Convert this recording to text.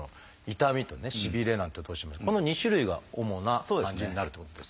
痛みとねしびれなんていってこの２種類が主な感じになるってことですか？